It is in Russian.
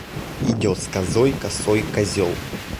Идет с козой косой козел.